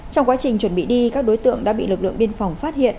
trong quá trình chuẩn bị đi các đối tượng đã bị lực lượng biên phòng phát hiện